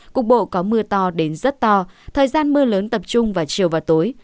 cục bộ có mưa to đến rất to thời gian mưa lớn tập trung vào chiều và tối